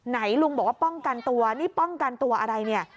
ลุงบอกว่าป้องกันตัวนี่ป้องกันตัวอะไรเนี่ย